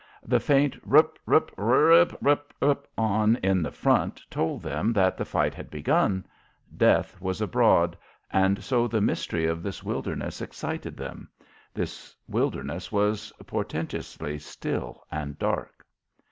The faint rup rup rrrrup rup on in the front told them that the fight had begun; death was abroad, and so the mystery of this wilderness excited them. This wilderness was portentously still and dark.